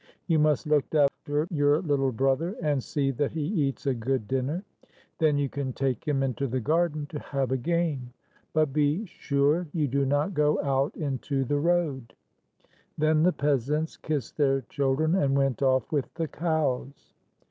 You must look after your little brother, and see that he eats a good dinner. Then you can take him into the garden to have a game ; but be sure you do not go out into the road." Then the peasants kissed their children, and went off with the cows.